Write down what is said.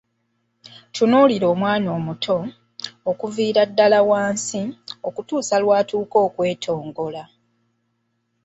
Tunuulira omwana omuto, okuviira ddala wansi, okutuusa lwatuuka okwetongola.